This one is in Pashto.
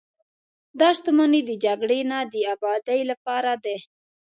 دا شتمنۍ د جګړې نه، د ابادۍ لپاره دي.